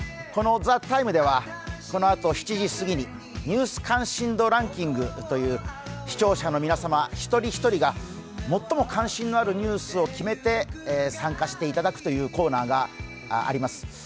この「ＴＨＥＴＩＭＥ，」ではこのあと７時過ぎに「ニュース関心度ランキング」という視聴者の皆様ひとりひとりが最も関心のあるニュースを決めて参加していただくというコーナーがあります。